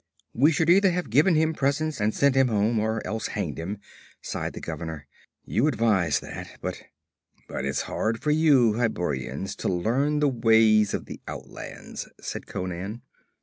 'We should either have given him presents and sent him home, or else hanged him,' sighed the governor. 'You advised that, but ' 'But it's hard for you Hyborians to learn the ways of the outlands,' said Conan.